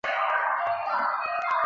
民国时期广东军阀陈济棠三子。